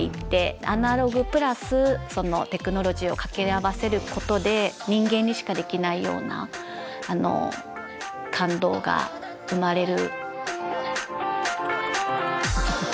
アナログプラスそのテクノロジーを掛け合わせることで人間にしかできないような感動が生まれる。